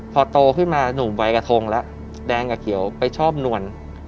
พอโตขึ้นมาหนุ่มวัยกระทงแล้วแดงกับเขียวไปชอบนวล